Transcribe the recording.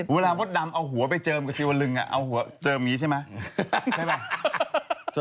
เวลาพ่อดำเอาหัวไปเจิมกับซิวลึงเอาหัวเจิมนี้ใช่ไหม